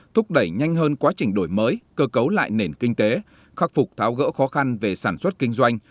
thúc đẩy nhanh hơn quá trình đổi mới cơ cấu lại nền kinh tế khắc phục tháo gỡ khó khăn về sản xuất kinh doanh